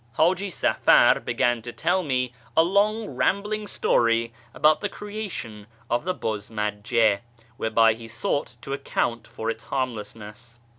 H;iji Safar began to tell me a long rambling story about the creation of the Buz majj6, whereby he sought to account for its harmlessness.